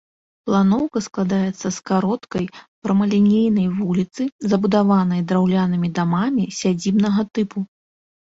Планоўка складаецца з кароткай прамалінейнай вуліцы, забудаванай драўлянымі дамамі сядзібнага тыпу.